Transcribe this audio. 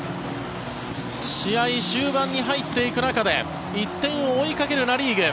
試合終盤に入っていく中で１点を追いかけるナ・リーグ。